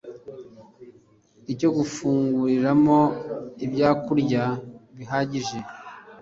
cyo gufunguriramo ibyokurya bihagije